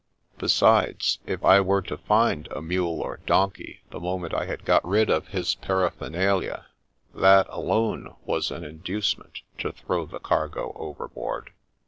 Besides, if I were to find a mule or donkey the moment I had got rid of his paraphernalia, that alone was an inducement to throw the cargo overboard.